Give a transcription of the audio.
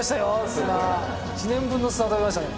砂１年分の砂を食べましたね